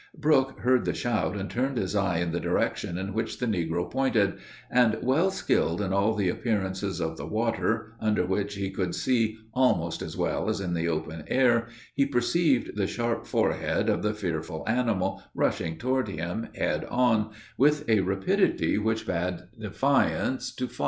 Brook heard the shout, and turned his eye in the direction in which the negro pointed; and, well skilled in all the appearances of the water, under which he could see almost as well as in the open air, he perceived the sharp forehead of the fearful animal rushing toward him, head on, with a rapidity; which bade defiance to flight.